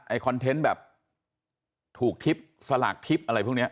ไอ้คอนเทนต์แบบถูกทิบสลักทิบอะไรพวกนี้